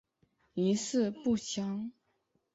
余事不详。